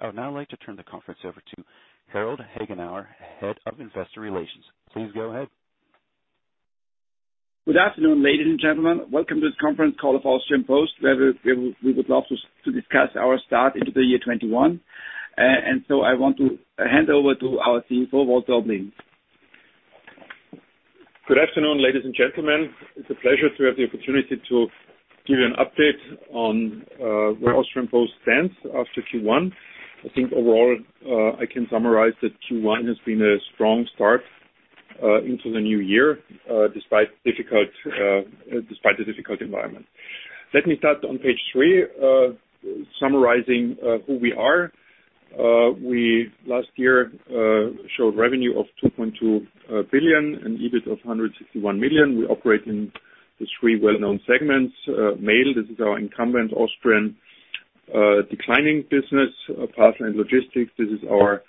I would now like to turn the conference over to Harald Hagenauer, Head of Investor Relations. Please go ahead. Good afternoon, ladies and gentlemen. Welcome to this conference call of Österreichische Post, where we would love to discuss our start into the year 2021. I want to hand over to our CEO, Walter Oblin. Good afternoon, ladies and gentlemen. It's a pleasure to have the opportunity to give you an update on where Österreichische Post stands after Q1. I think overall, I can summarize that Q1 has been a strong start into the new year, despite the difficult environment. Let me start on page three, summarizing who we are. We, last year, showed revenue of 2.2 billion and EBIT of 161 million. We operate in the three well-known segments. Mail, this is our incumbent Austrian declining business. Parcel and logistics, this is our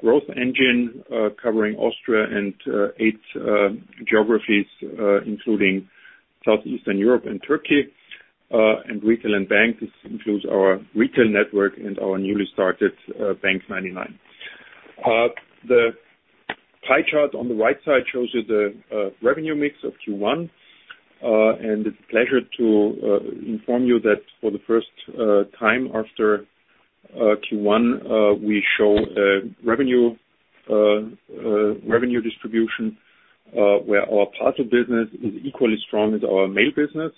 growth engine, covering Austria and eight geographies, including Southeastern Europe and Turkey. Retail and bank, this includes our retail network and our newly started bank99. The pie chart on the right side shows you the revenue mix of Q1. It's a pleasure to inform you that for the first time after Q1, we show a revenue distribution where our parcel business is equally strong as our mail business,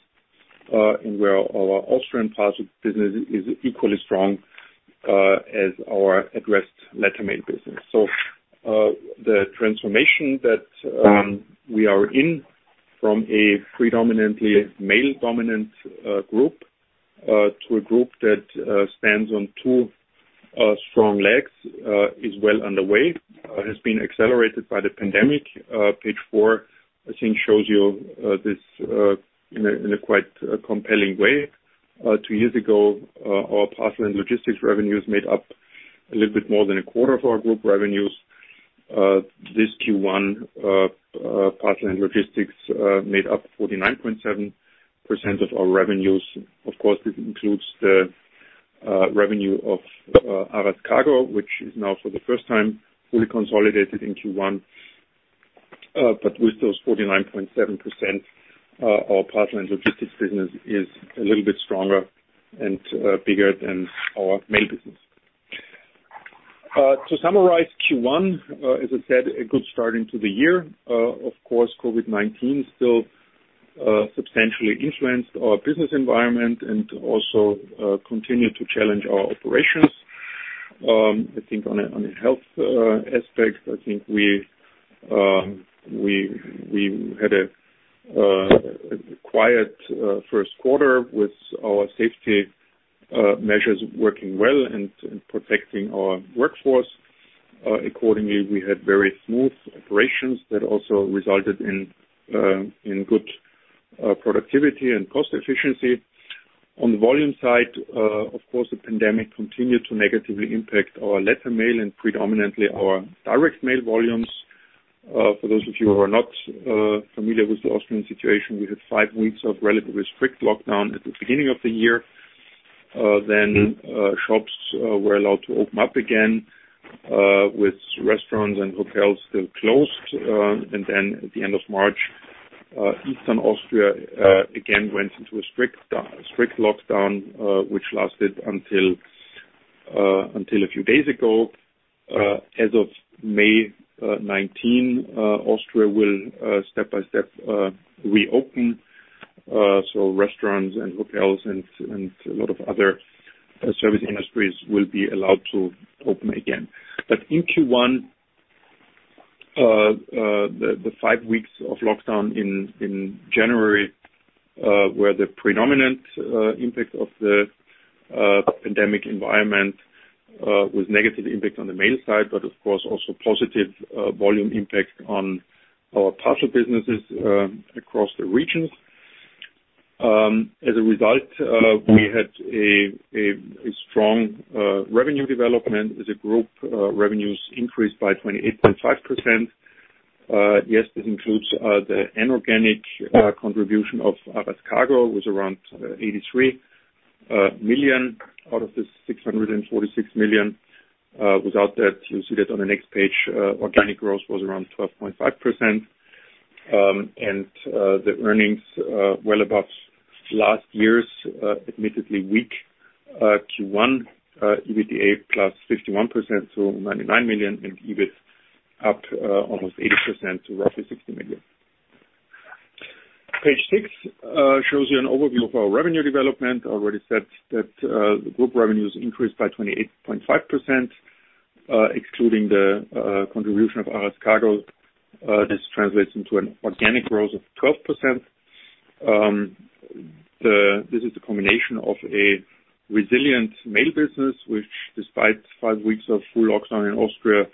and where our Austrian parcel business is equally strong as our addressed letter mail business. The transformation that we are in from a predominantly mail-dominant group to a group that stands on two strong legs is well underway, has been accelerated by the pandemic. Page four, I think, shows you this in a quite compelling way. Two years ago, our parcel and logistics revenues made up a little bit more than a quarter of our group revenues. This Q1, parcel and logistics made up 49.7% of our revenues. Of course, this includes the revenue of Aras Kargo, which is now for the first time, fully consolidated in Q1. With those 49.7%, our parcel and logistics business is a little bit stronger and bigger than our mail business. To summarize Q1, as I said, a good start into the year. Of course, COVID-19 still substantially influenced our business environment and also continued to challenge our operations. On a health aspect, we had a quiet first quarter with our safety measures working well and protecting our workforce. Accordingly, we had very smooth operations that also resulted in good productivity and cost efficiency. On the volume side, of course, the pandemic continued to negatively impact our letter mail and predominantly our direct mail volumes. For those of you who are not familiar with the Austrian situation, we had five weeks of relatively strict lockdown at the beginning of the year. Shops were allowed to open up again, with restaurants and hotels still closed. At the end of March, Eastern Austria again went into a strict lockdown, which lasted until a few days ago. As of May 19, Austria will step by step, reopen. Restaurants and hotels and a lot of other service industries will be allowed to open again. In Q1, the five weeks of lockdown in January, were the predominant impact of the pandemic environment, with negative impact on the mail side, but of course, also positive volume impact on our parcel businesses across the regions. As a result, we had a strong revenue development. As a group, revenues increased by 28.5%. Yes, this includes the inorganic contribution of Aras Kargo, was around 83 million out of this 646 million. Without that, you will see that on the next page, organic growth was around 12.5%, and the earnings, well above last year's admittedly weak Q1 EBITDA, +51%, so 99 million, and EBIT up almost 80% to roughly 60 million. Page six shows you an overview of our revenue development. I already said that the group revenues increased by 28.5%, excluding the contribution of Aras Kargo. This translates into an organic growth of 12%. This is a combination of a resilient mail business, which, despite five weeks of full lockdown in Austria,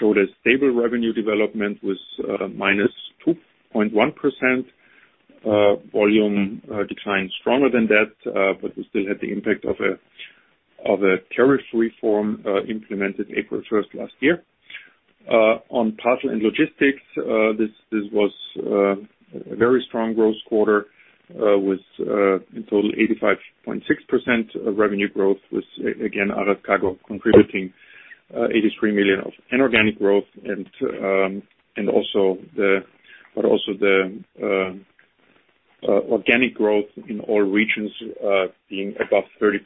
showed a stable revenue development with -2.1% volume decline stronger than that. We still had the impact of a tariff reform implemented April 1st last year. On parcel and logistics, this was a very strong growth quarter with in total 85.6% revenue growth with, again, Aras Kargo contributing 83 million of inorganic growth, also the organic growth in all regions being above 30%.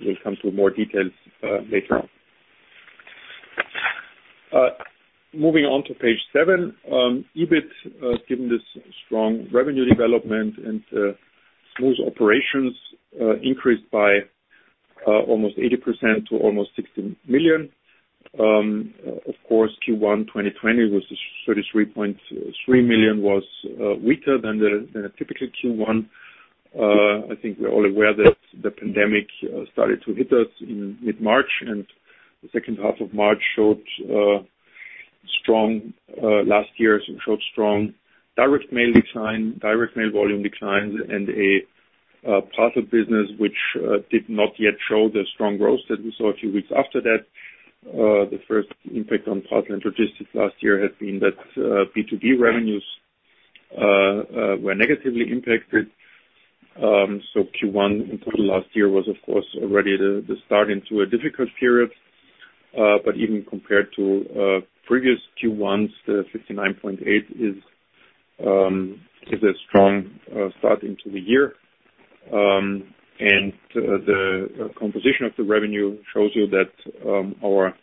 We'll come to more details later. Moving on to page seven. EBIT, given this strong revenue development and smooth operations, increased by almost 80% to almost 60 million. Of course, Q1 2020 was 33.3 million was weaker than a typical Q1. I think we're all aware that the pandemic started to hit us in mid-March, the second half of March showed last year some strong direct mail volume declines and a parcel business which did not yet show the strong growth that we saw a few weeks after that. The first impact on parcel and logistics last year had been that B2B revenues were negatively impacted. Q1 in total last year was, of course, already the start into a difficult period. Even compared to previous Q1s, the 59.8 is a strong start into the year. The composition of the revenue shows you that our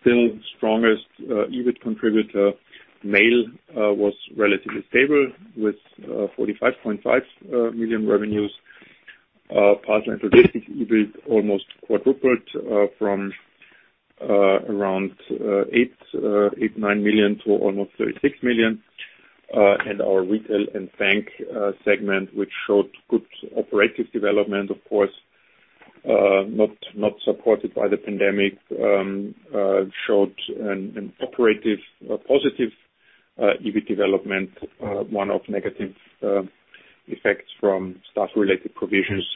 still strongest EBIT contributor, mail, was relatively stable with 45.5 million revenues. Parcel and logistics, EBIT almost quadrupled from around 8 million-9 million to almost 36 million. Our retail and bank segment, which showed good operative development, of course, not supported by the pandemic, showed an operative positive EBIT development. One-off negative effects from staff-related provisions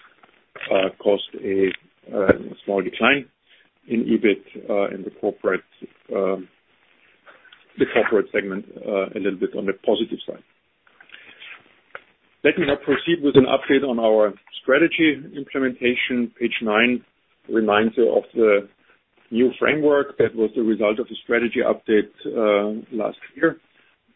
caused a small decline in EBIT in the corporate segment, a little bit on the positive side. Let me now proceed with an update on our strategy implementation. Page nine reminds you of the new framework that was the result of the strategy update last year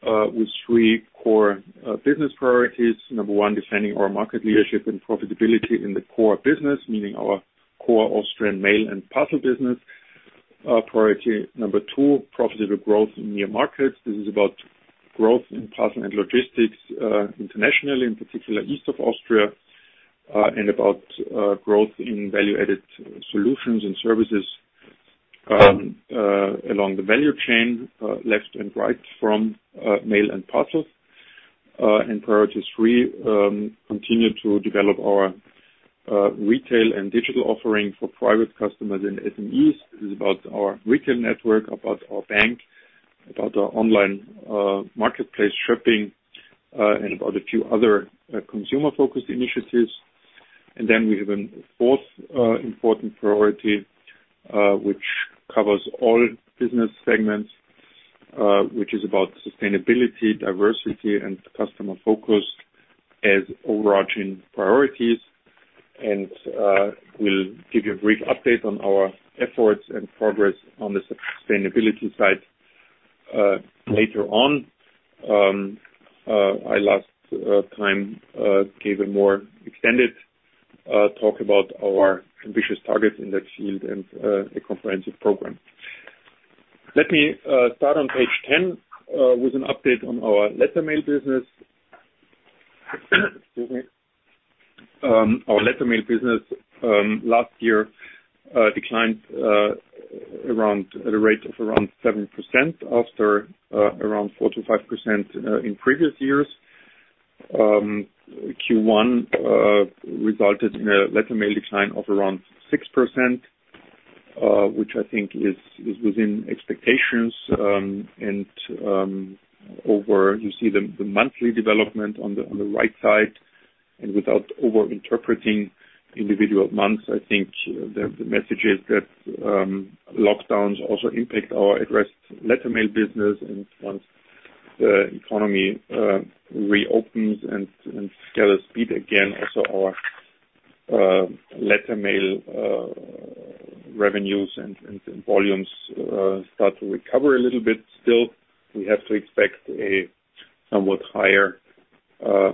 with three core business priorities. Number one, defending our market leadership and profitability in the core business, meaning our core Austrian mail and parcel business. Priority number two, profitable growth in new markets. This is about growth in parcel and logistics internationally, in particular east of Austria, and about growth in value-added solutions and services along the value chain, left and right from mail and parcels. Priority three, continue to develop our retail and digital offering for private customers and SMEs. This is about our retail network, about our bank, about our online marketplace shipping, and about a few other consumer-focused initiatives. We have a fourth important priority, which covers all business segments, which is about sustainability, diversity, and customer focus as overarching priorities. We'll give you a brief update on our efforts and progress on the sustainability side later on. I last time gave a more extended talk about our ambitious target in that field and a comprehensive program. Let me start on page 10 with an update on our letter mail business. Excuse me. Our letter mail business last year declined at a rate of around 7% after around 4%-5% in previous years. Q1 resulted in a letter mail decline of around 6%, which I think is within expectations. You see the monthly development on the right side. Without over-interpreting individual months, I think the message is that lockdowns also impact our addressed letter mail business. Once the economy reopens and gathers speed again, also our letter mail revenues and volumes start to recover a little bit. Still, we have to expect a somewhat higher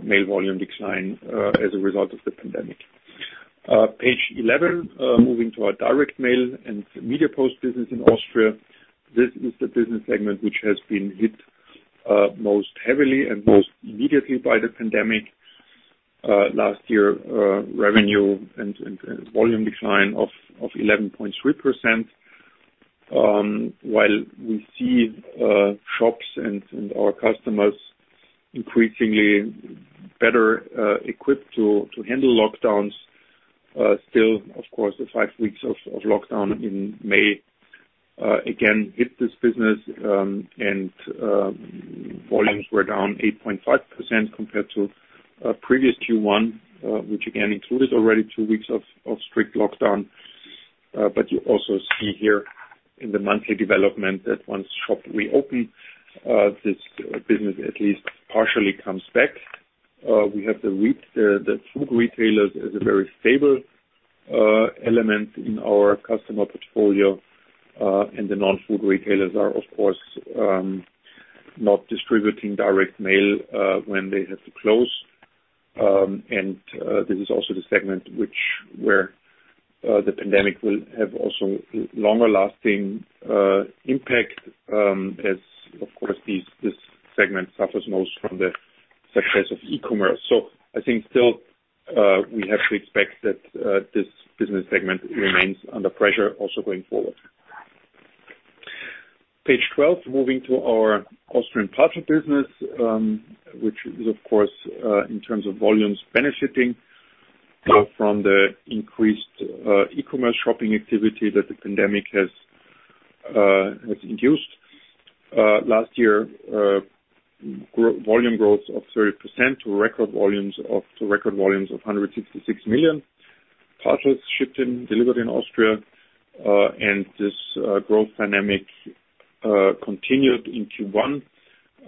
mail volume decline as a result of the pandemic. Page 11, moving to our direct mail and media post business in Austria. This is the business segment which has been hit most heavily and most immediately by the pandemic. Last year, revenue and volume decline of 11.3%. While we see shops and our customers increasingly better equipped to handle lockdowns, still, of course, the five weeks of lockdown in May again hit this business and volumes were down 8.5% compared to previous Q1, which again included already two weeks of strict lockdown. You also see here in the monthly development that once shops reopened, this business at least partially comes back. We have the food retailers as a very stable element in our customer portfolio. The non-food retailers are, of course, not distributing direct mail when they have to close. This is also the segment where the pandemic will have also longer lasting impact as, of course, this segment suffers most from the success of e-commerce. I think still, we have to expect that this business segment remains under pressure also going forward. Page 12, moving to our Austrian parcel business, which is of course, in terms of volumes, benefiting from the increased e-commerce shopping activity that the pandemic has induced. Last year, volume growth of 30% to record volumes of 166 million parcels shipped and delivered in Austria. This growth dynamic continued in Q1,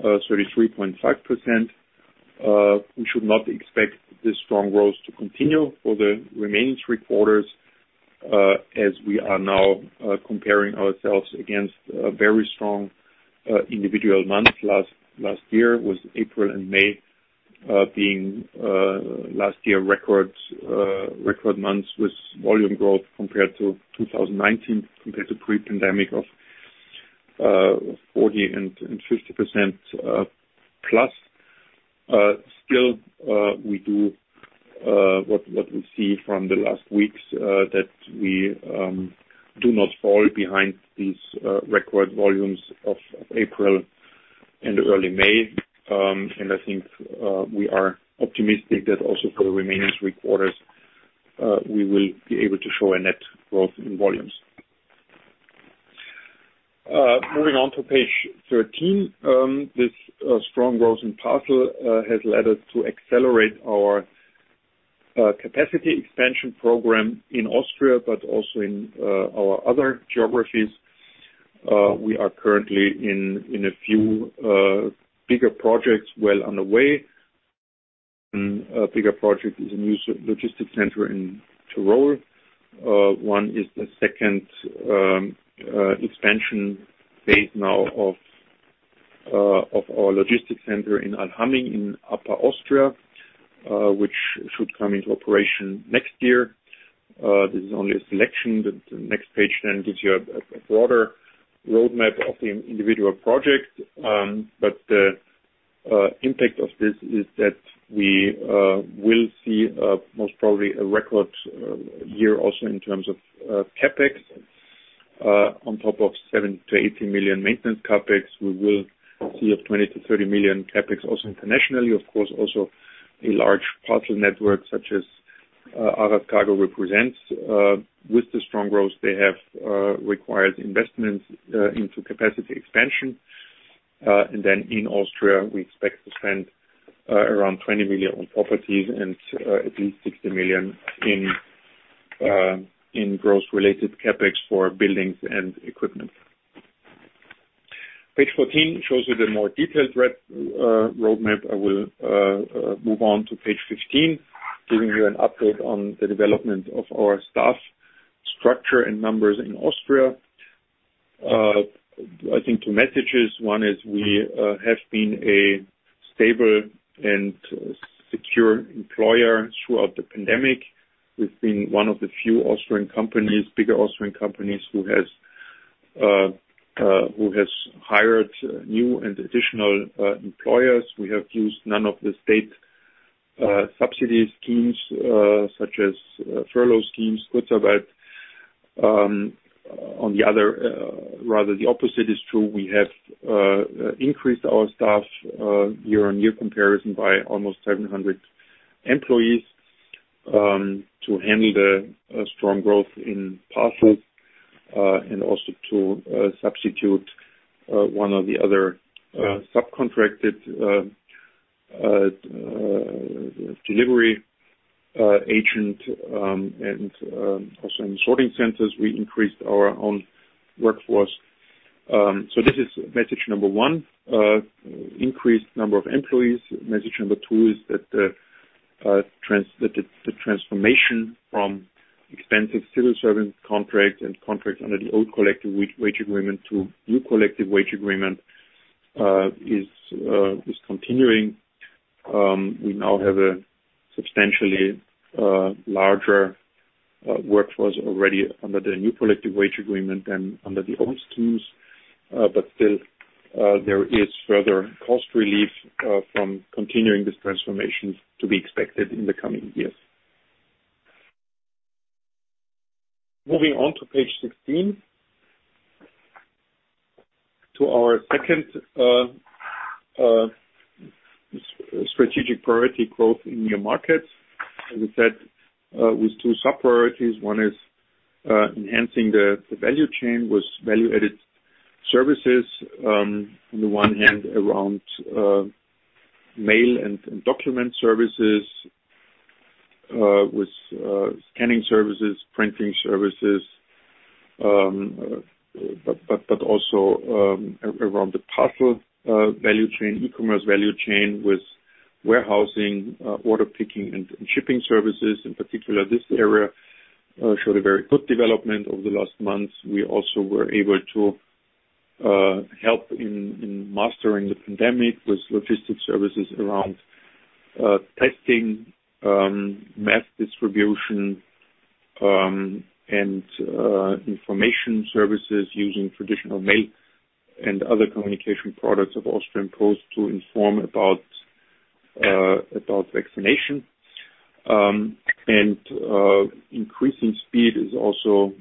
33.5%. We should not expect this strong growth to continue for the remaining three quarters, as we are now comparing ourselves against a very strong individual month last year, was April and May, being last year record months with volume growth compared to 2019, compared to pre-pandemic of 40% and 50% plus. Still, what we see from the last weeks, that we do not fall behind these record volumes of April and early May. I think we are optimistic that also for the remaining three quarters, we will be able to show a net growth in volumes. Moving on to page 13. This strong growth in parcel has led us to accelerate our capacity expansion program in Austria, but also in our other geographies. We are currently in a few bigger projects well on the way. A bigger project is a new logistics center in Tyrol. One is the second expansion phase now of our logistics center in Allhaming, in Upper Austria, which should come into operation next year. This is only a selection, the next page gives you a broader roadmap of the individual project. The impact of this is that we will see most probably a record year also in terms of CapEx. On top of 70 million-80 million maintenance CapEx, we will see a 20 million-30 million CapEx also internationally, of course, also a large parcel network such as Aras Kargo represents. With the strong growth they have required investments into capacity expansion. Then in Austria, we expect to spend around 20 million on properties and at least 60 million in growth-related CapEx for buildings and equipment. Page 14 shows you the more detailed roadmap. I will move on to Page 15, giving you an update on the development of our staff structure and numbers in Austria. I think two messages. One is we have been a stable and secure employer throughout the pandemic. We've been one of the few bigger Austrian companies who has hired new and additional employees. We have used none of the state subsidy schemes, such as furlough schemes, Kurzarbeit. Rather the opposite is true. We have increased our staff year-on-year comparison by almost 700 employees, to handle the strong growth in parcels, and also to substitute one of the other subcontracted delivery agent. Also in sorting centers, we increased our own workforce. This is message number one, increased number of employees. Message number two is that the transformation from expensive civil servant contracts and contracts under the old collective wage agreement to new collective wage agreement is continuing. We now have a substantially larger workforce already under the new collective wage agreement than under the old schemes. Still, there is further cost relief from continuing this transformation to be expected in the coming years. Moving on to page 16, to our second strategic priority growth in new markets, as we said, with two sub-priorities. One is enhancing the value chain with value-added services on the one hand around mail and document services, with scanning services, printing services, but also around the parcel value chain, e-commerce value chain with warehousing, order picking, and shipping services. In particular, this area showed a very good development over the last months. We also were able to help in mastering the pandemic with logistics services around testing, mass distribution, and information services using traditional mail and other communication products of Österreichische Post to inform about vaccination. Increasing speed is also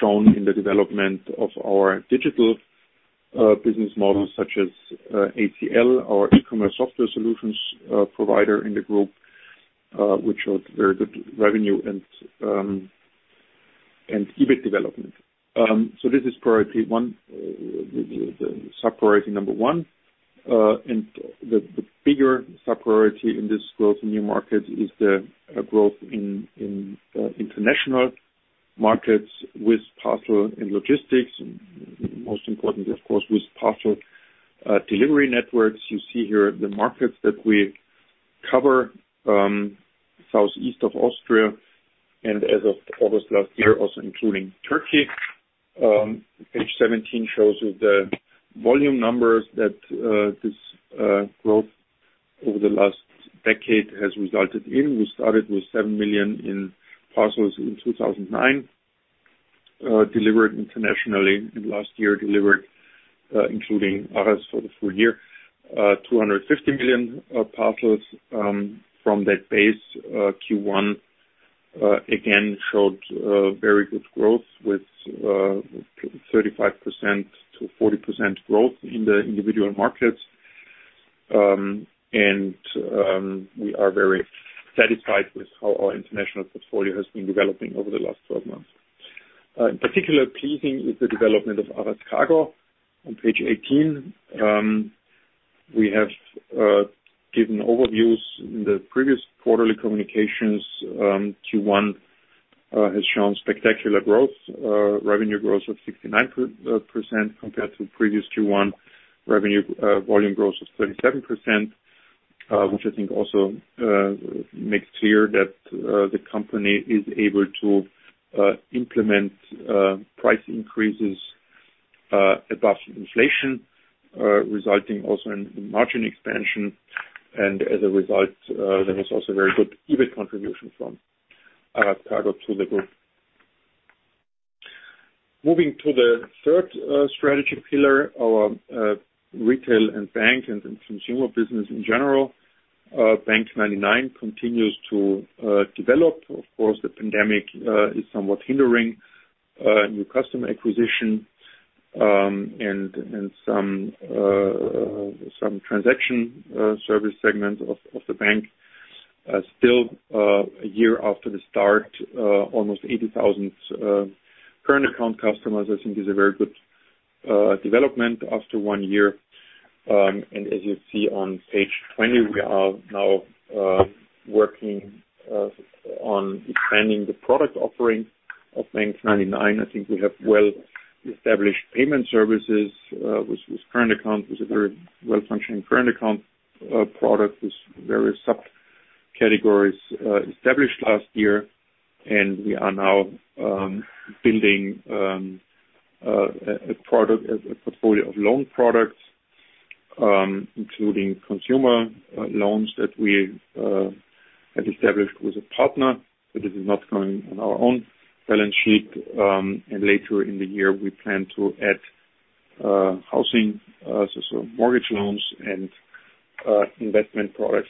shown in the development of our digital business models, such as ACL, our e-commerce software solutions provider in the group, which showed very good revenue and EBIT development. This is priority one, the sub-priority number one. The bigger sub-priority in this growth in new markets is the growth in international markets with parcel and logistics, most importantly, of course, with parcel delivery networks. You see here the markets that we cover, southeast of Austria, and as of August last year, also including Turkey. Page 17 shows you the volume numbers that this growth over the last decade has resulted in. We started with seven million in parcels in 2009, delivered internationally, and last year delivered, including Aras for the full year, 250 million parcels from that base. Q1 again showed very good growth with 35%-40% growth in the individual markets. We are very satisfied with how our international portfolio has been developing over the last 12 months. In particular, pleasing is the development of Aras Kargo on page 18. We have given overviews in the previous quarterly communications. Q1 has shown spectacular growth, revenue growth of 69% compared to previous Q1. Revenue volume growth was 37%, which I think also makes clear that the company is able to implement price increases above inflation, resulting also in margin expansion. As a result, there was also very good EBIT contribution from Aras Kargo to the group. Moving to the third strategy pillar, our retail and bank and consumer business in general. bank99 continues to develop. Of course, the pandemic is somewhat hindering new customer acquisition and some transaction service segment of the bank. Still, a year after the start, almost 80,000 current account customers, I think, is a very good development after one year. As you see on page 20, we are now working on expanding the product offering of bank99. I think we have well-established payment services with current accounts. It's a very well-functioning current account product with various sub-categories established last year. We are now building a portfolio of loan products, including consumer loans that we have established with a partner. This is not going on our own balance sheet. Later in the year, we plan to add housing, so mortgage loans and investment products.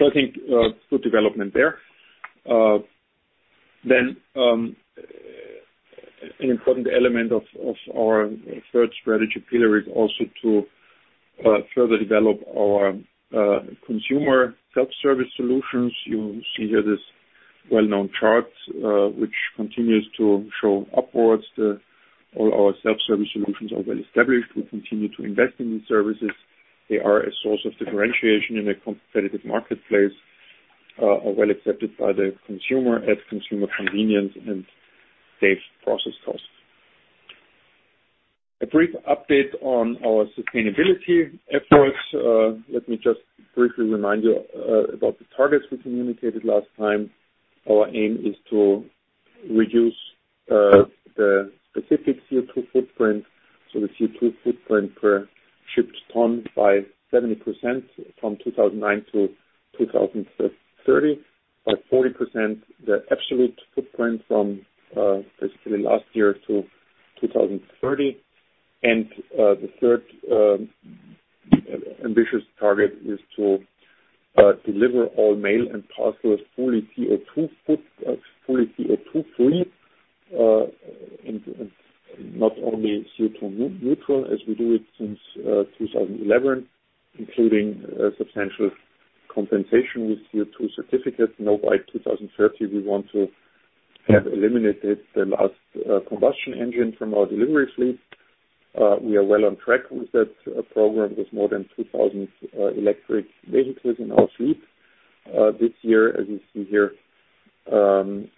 I think good development there. An important element of our third strategy pillar is also to further develop our consumer self-service solutions. You see here this well-known chart, which continues to show upwards. All our self-service solutions are well established. We continue to invest in these services. They are a source of differentiation in a competitive marketplace, are well accepted by the consumer, add consumer convenience, and save process costs. A brief update on our sustainability efforts. Let me just briefly remind you about the targets we communicated last time. Our aim is to reduce the specific CO2 footprint, so the CO2 footprint per shipped ton by 70% from 2009-2030, by 40% the absolute footprint from basically last year to 2030. The third ambitious target is to deliver all mail and parcels fully CO2 free, and not only CO2 neutral as we do it since 2011, including substantial compensation with CO2 certificates. By 2030, we want to have eliminated the last combustion engine from our delivery fleet. We are well on track with that program, with more than 2,000 electric vehicles in our fleet. This year, as you see here on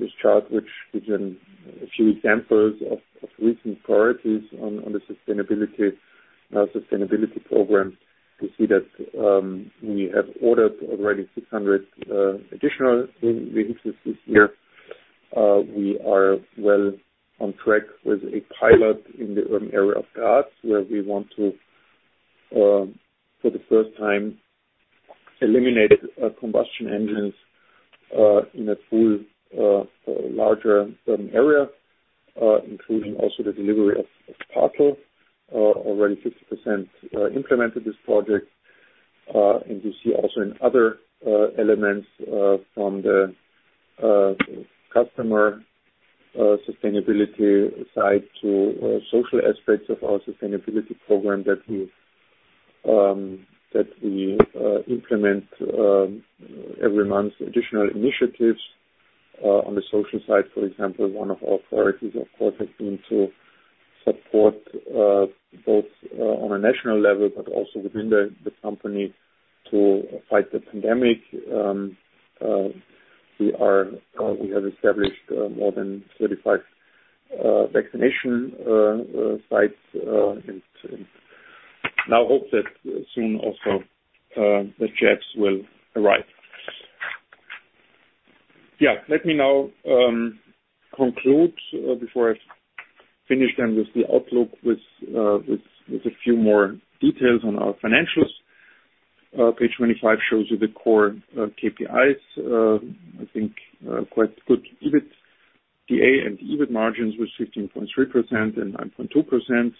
this chart, which gives you a few examples of recent priorities on the sustainability program. You see that we have ordered already 600 additional vehicles this year. We are well on track with a pilot in the urban area of Graz, where we want to, for the first time, eliminate combustion engines in a full larger urban area, including also the delivery of parcels. Already 50% implemented this project. You see also in other elements from the customer sustainability side to social aspects of our sustainability program that we implement every month, additional initiatives. On the social side, for example, one of our priorities, of course, has been to support both on a national level but also within the company to fight the pandemic. We have established more than 35 vaccination sites, and now hope that soon also the jabs will arrive. Yeah. Let me now conclude before I finish then with the outlook with a few more details on our financials. Page 25 shows you the core KPIs. I think quite good EBITDA and EBIT margins with 15.3% and 9.2%,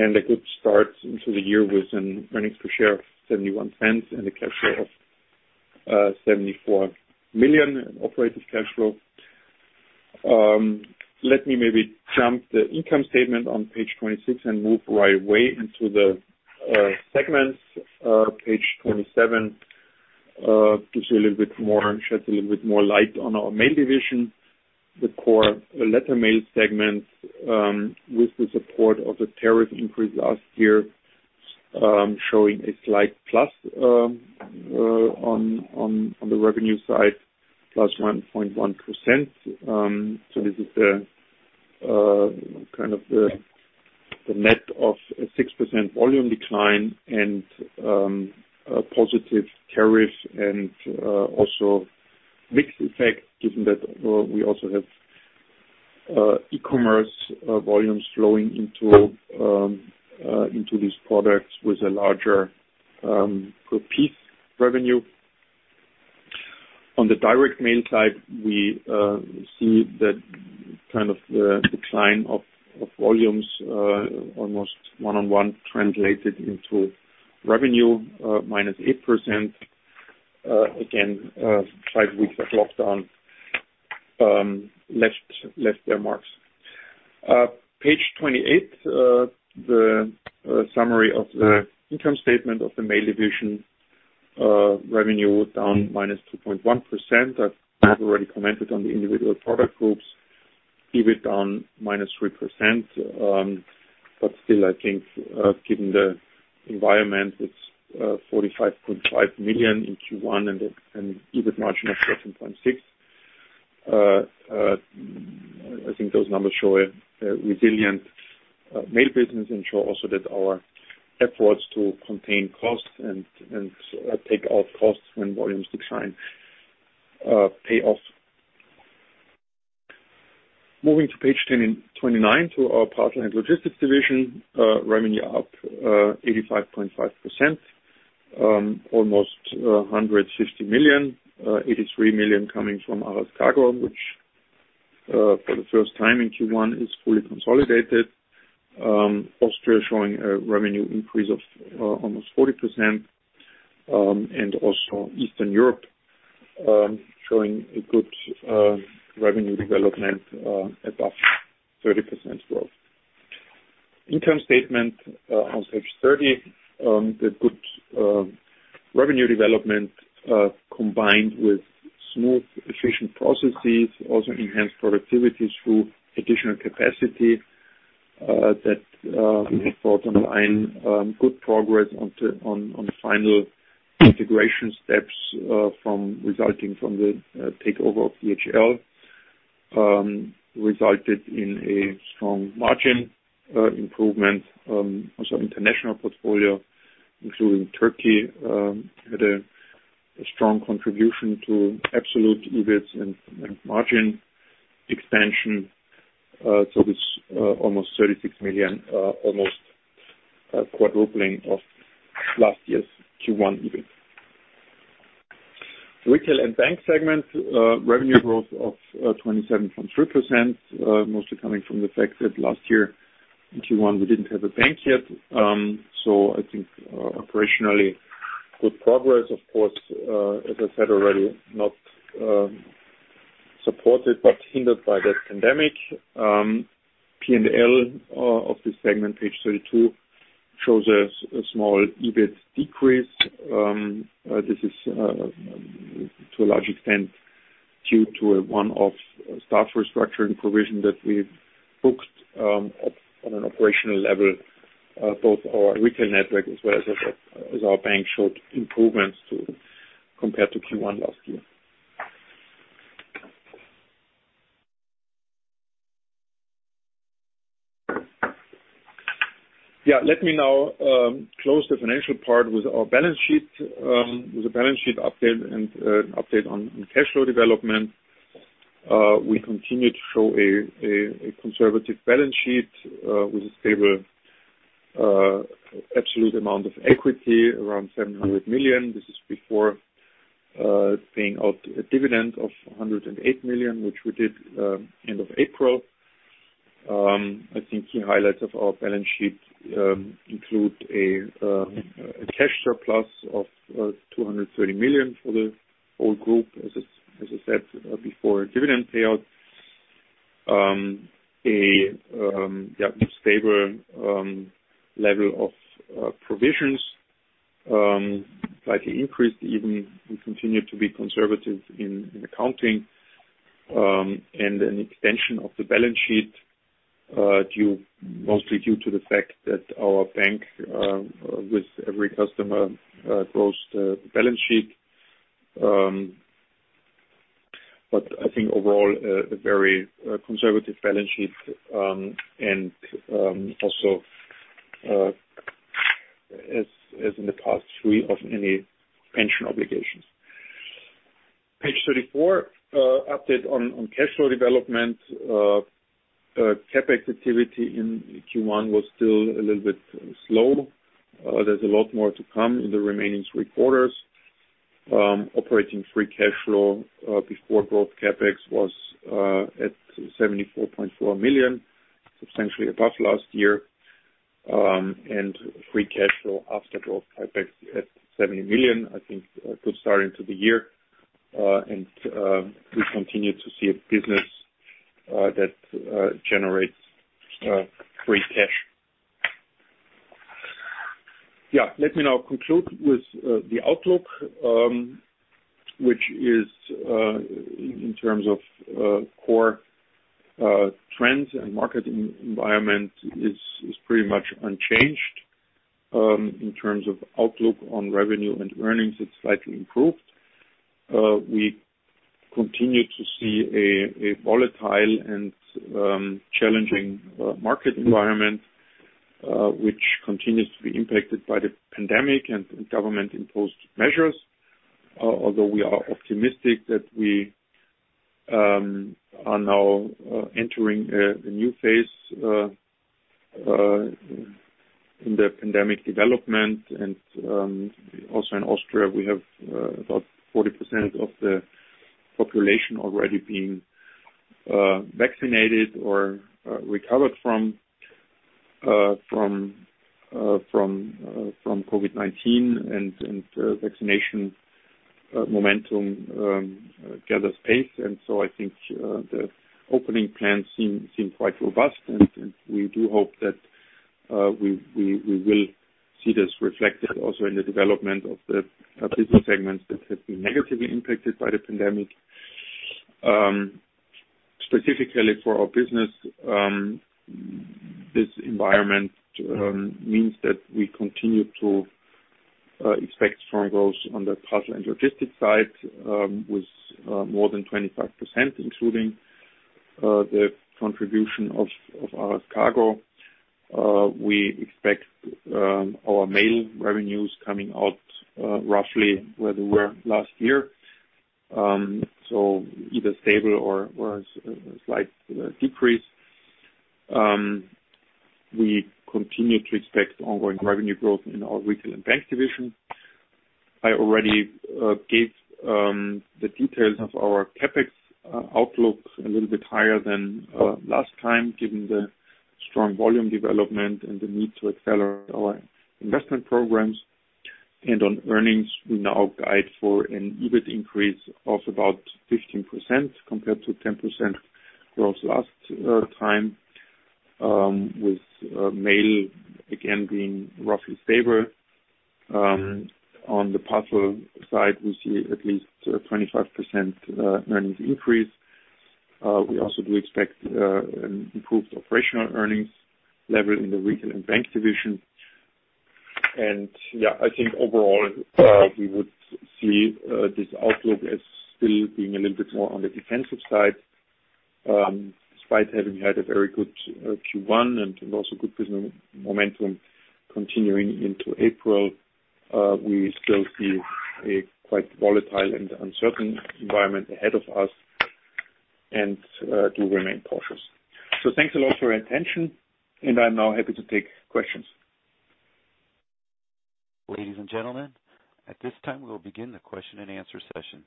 a good start into the year with an earnings per share of 0.71 and a cash flow of 74 million operating cash flow. Let me maybe jump the income statement on page 26 and move right away into the segments. Page 27 gives you a little bit more, sheds a little bit more light on our mail division. The core letter mail segment with the support of the tariff increase last year, showing a slight plus on the revenue side, +1.1%. This is the net of a 6% volume decline and a positive tariff and also mix effect, given that we also have e-commerce volumes flowing into these products with a larger per piece revenue. On the direct mail side, we see that the decline of volumes almost one-on-one translated into revenue -8%. Again, five weeks of lockdown left their marks. Page 28, the summary of the income statement of the mail division. Revenue down -2.1%. I've already commented on the individual product groups. EBIT down -3%, but still, I think, given the environment, it's 45.5 million in Q1 and an EBIT margin of 14.6%. I think those numbers show a resilient mail business and also show that our efforts to contain costs and take out costs when volumes decline pay off. Moving to page 29 to our parcel and logistics division. Revenue up 85.5%, almost 150 million, 83 million coming from Aras Kargo, which for the first time in Q1 is fully consolidated. Austria showing a revenue increase of almost 40%. Also Eastern Europe, showing a good revenue development above 30% growth. Income statement on page 30. The good revenue development, combined with smooth, efficient processes, also enhanced productivity through additional capacity that we brought online. Good progress on the final integration steps resulting from the takeover of DHL, resulted in a strong margin improvement. International portfolio, including Turkey, had a strong contribution to absolute EBIT and margin expansion. This almost 36 million, almost quadrupling of last year's Q1 EBIT. The retail and bank segment revenue growth of 27.3%, mostly coming from the fact that last year in Q1 we didn't have a bank yet. I think operationally good progress, of course, as I said already, not supported but hindered by the pandemic. P&L of this segment, page 32, shows a small EBIT decrease. This is to a large extent due to a one-off staff restructuring provision that we've booked on an operational level, both our retail network as well as our bank showed improvements compared to Q1 last year. Yeah, let me now close the financial part with our balance sheet, with a balance sheet update and update on cash flow development. We continue to show a conservative balance sheet with a stable absolute amount of equity around 700 million. This is before paying out a dividend of 108 million, which we did end of April. I think key highlights of our balance sheet include a cash surplus of 230 million for the whole group, as I said before, dividend payout, a stable level of provisions, slightly increased, even we continue to be conservative in accounting, and an extension of the balance sheet, mostly due to the fact that our bank, with every customer, grows the balance sheet. I think overall a very conservative balance sheet, and also as in the past, free of any pension obligations. Page 34, update on cash flow development. CapEx activity in Q1 was still a little bit slow. There's a lot more to come in the remaining three quarters. Operating free cash flow before growth CapEx was at 74.4 million, substantially above last year, and free cash flow after growth CapEx at 70 million. I think a good start into the year. We continue to see a business that generates free cash. Let me now conclude with the outlook, which is, in terms of core trends and market environment, is pretty much unchanged. In terms of outlook on revenue and earnings, it's slightly improved. We continue to see a volatile and challenging market environment, which continues to be impacted by the pandemic and government-imposed measures. Although we are optimistic that we are now entering a new phase in the pandemic development. Also in Austria, we have about 40% of the population already being vaccinated or recovered from COVID-19 and vaccination momentum gathers pace. I think the opening plans seem quite robust, and we do hope that we will see this reflected also in the development of the business segments that have been negatively impacted by the pandemic. Specifically for our business, this environment means that we continue to expect strong growth on the parcel and logistics side, with more than 25%, including the contribution of our cargo. We expect our mail revenues coming out roughly where they were last year. So either stable or a slight decrease. We continue to expect ongoing revenue growth in our retail and bank division. I already gave the details of our CapEx outlook a little bit higher than last time, given the strong volume development and the need to accelerate our investment programs. On earnings, we now guide for an EBIT increase of about 15% compared to 10% growth last time. Mail, again, being roughly stable. On the parcel side, we see at least a 25% earnings increase. We also do expect an improved operational earnings level in the retail and bank division. Yeah, I think overall we would see this outlook as still being a little bit more on the defensive side. Despite having had a very good Q1 and also good business momentum continuing into April, we still see a quite volatile and uncertain environment ahead of us and do remain cautious. Thanks a lot for your attention, and I'm now happy to take questions. Ladies and gentlemen, at this time we will begin our question answer session.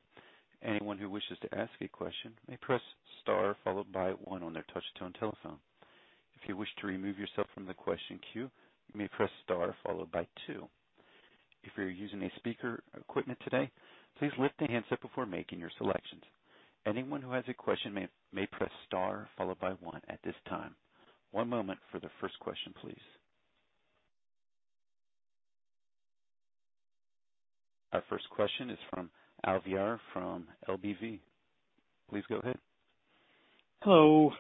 Anyone who wishes to ask a question, may press star followed by one on a touch-tone telephone. If you wish to remove yourself from the question queue, you may press star followed by two. One moment for the first question please. Our first question is from Alviar from LBV. Please go ahead. Hello.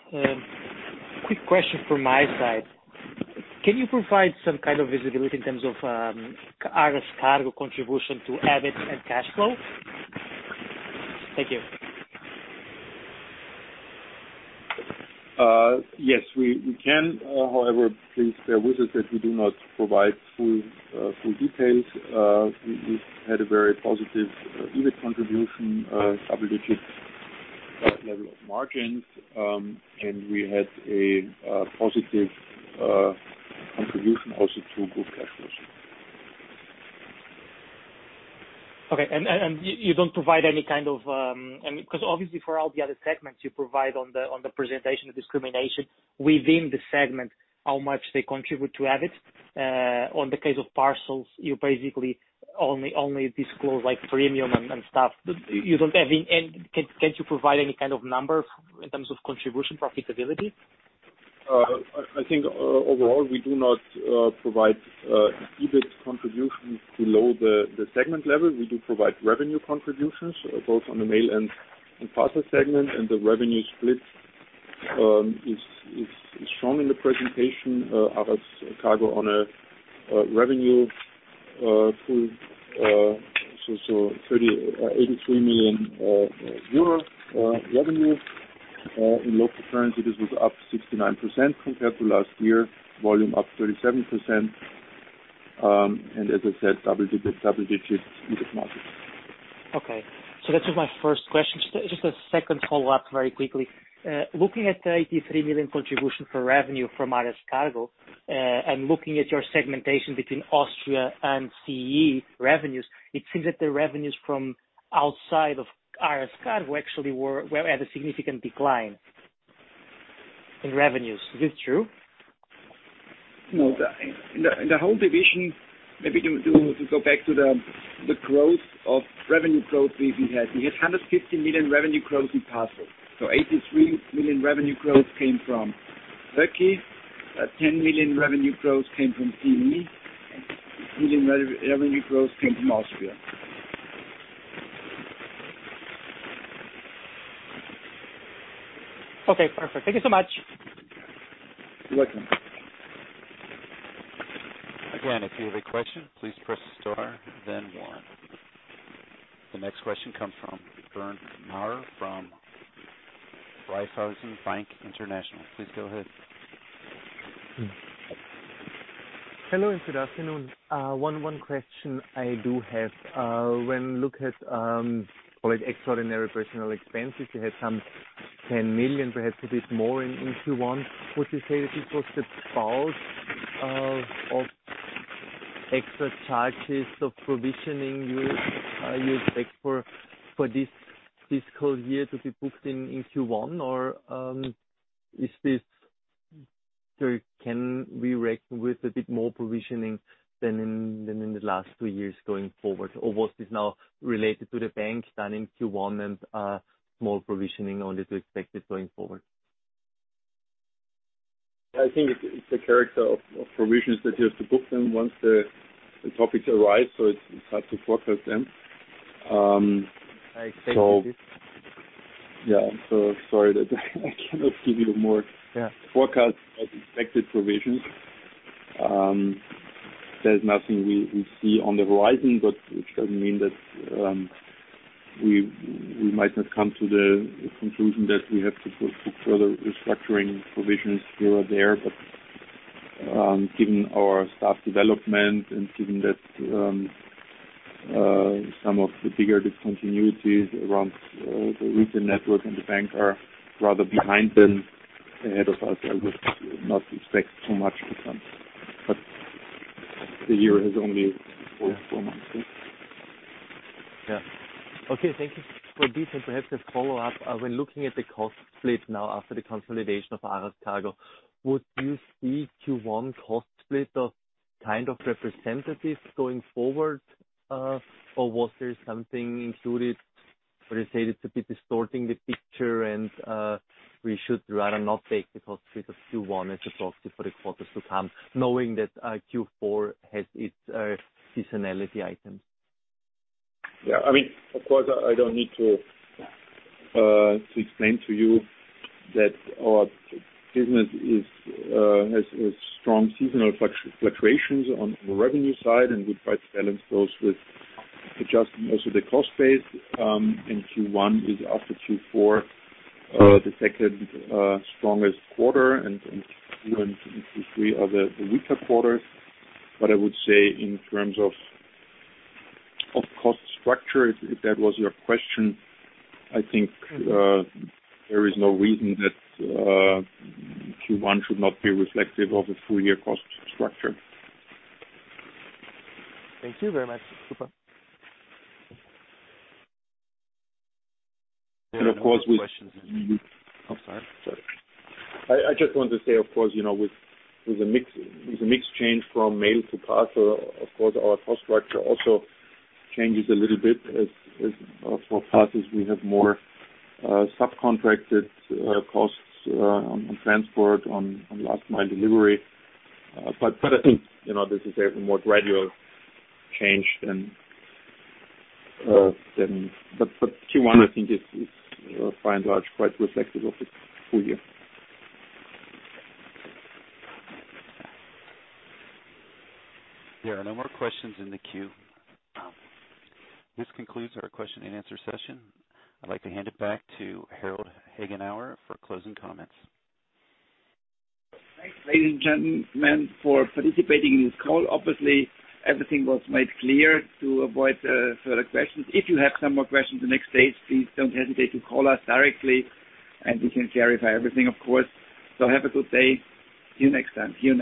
Quick question from my side. Can you provide some kind of visibility in terms of Aras Kargo contribution to EBIT and cash flow? Thank you. Yes, we can. However, please bear with us that we do not provide full details. We had a very positive EBIT contribution, double-digit level of margins, and we had a positive contribution also to group cash flow. Okay. You don't provide any kind of discrimination within the segment, how much they contribute to EBIT, because obviously for all the other segments you provide on the presentation. On the case of parcels, you basically only disclose premium and stuff. Can you provide any kind of number in terms of contribution profitability? I think overall, we do not provide EBIT contributions below the segment level. We do provide revenue contributions, both on the mail and parcel segment, the revenue split is shown in the presentation. Aras Kargo on a revenue pool, 83 million euro revenue. In local currency, this was up 69% compared to last year, volume up 37%. As I said, double-digit EBIT margins. That was my first question. Just a second follow-up very quickly. Looking at the 83 million contribution for revenue from Aras Kargo, and looking at your segmentation between Austria and CEE revenues, it seems that the revenues from outside of Aras Kargo actually had a significant decline in revenues. Is this true? No. In the whole division, maybe to go back to the growth of revenue growth we had. We had 150 million revenue growth in parcels. 83 million revenue growth came from Turkey, 10 million revenue growth came from CEE, 60 million revenue growth came from Austria. Okay, perfect. Thank you so much. You're welcome. Again, if you have a question, please press star, then one. The next question comes from Bernd Maurer from Raiffeisen Bank International. Please go ahead. Hello and good afternoon. One question I do have. When you look at extraordinary personal expenses, you had some 10 million, perhaps a bit more in Q1. Would you say that it was the scope of extra charges of provisioning you expect for this fiscal year to be booked in Q1? Can we reckon with a bit more provisioning than in the last two years going forward? Was this now related to bank99 starting Q1 and small provisioning only to expect it going forward? I think it's the character of provisions that you have to book them once the topics arise, so it's hard to forecast them. I accept this. I'm so sorry that I cannot give you more forecast of expected provisions. There's nothing we see on the horizon, which doesn't mean that we might not come to the conclusion that we have to put further restructuring provisions here or there. Given our staff development and given that some of the bigger discontinuities around the retail network and bank99 are rather behind than ahead of us, I would not expect too much to come. The year has only four months in. Yeah. Okay, thank you for this. Perhaps a follow-up. When looking at the cost split now after the consolidation of Aras Kargo, would you see Q1 cost split of kind of representatives going forward? Was there something included, or you say it's a bit distorting the picture and we should rather not take the cost split of Q1 as a proxy for the quarters to come, knowing that Q4 has its seasonality items? Yeah, of course, I don't need to explain to you that our business has strong seasonal fluctuations on the revenue side, and we try to balance those with adjusting also the cost base. Q1 is after Q4, the second strongest quarter, and Q2 and Q3 are the weaker quarters. I would say in terms of cost structure, if that was your question, I think there is no reason that Q1 should not be reflective of a full year cost structure. Thank you very much. Super. And of course we. I'm sorry. Sorry. I just want to say, of course, with a mixed change from mail to parcel, of course, our cost structure also changes a little bit. As for parcels, we have more subcontracted costs on transport, on last mile delivery. I think this is a more gradual change. Q1, I think, is by and large, quite reflective of the full year. There are no more questions in the queue. This concludes our question and answer session. I'd like to hand it back to Harald Hagenauer for closing comments. Thanks, ladies and gentlemen, for participating in this call. Everything was made clear to avoid further questions. If you have some more questions the next days, please don't hesitate to call us directly, and we can clarify everything, of course. Have a good day. See you next time. See you now